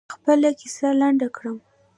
خپله کیسه لنډه کړم.